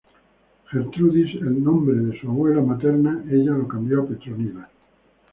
Gertrudis, el nombre de su abuela materna, ella lo cambió a Petronila.